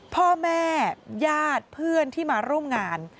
พ่อแม่ญาติเพื่อนที่มาร่วมงาน